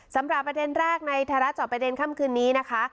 สำหรับประเด็นแรกในไทยรัฐจอบประเด็นค่ำคืนนี้นะคะ